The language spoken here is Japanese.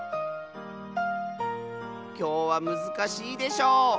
きょうはむずかしいでしょう？